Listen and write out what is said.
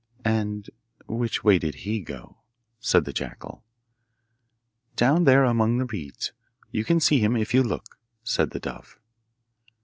'And which way did he go?' said the jackal. 'Down there among the reeds. You can see him if you look,' said the dove.